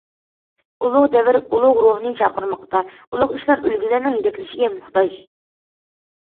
ئۇلۇغ دەۋر ئۇلۇغ روھنى چاقىرماقتا، ئۇلۇغ ئىشلار ئۈلگىلەرنىڭ يېتەكلىشىگە موھتاج.